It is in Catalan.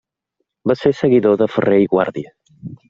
Va ser seguidor de Ferrer i Guàrdia.